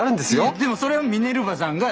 いっでもそれはミネルヴァさんが。